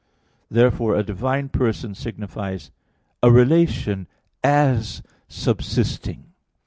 Therefore a divine person signifies a relation as subsisting.